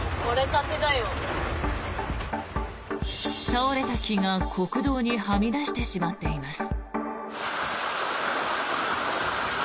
倒れた木が国道にはみ出してしまっています。